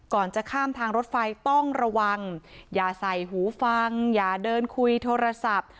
จะข้ามทางรถไฟต้องระวังอย่าใส่หูฟังอย่าเดินคุยโทรศัพท์